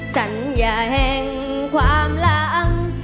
สัญญาแห่งความหลัง